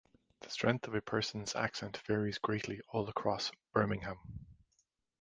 The strength of a person's accent varies greatly all across Birmingham.